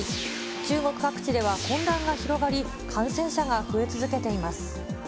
中国各地では、混乱が広がり、感染者が増え続けています。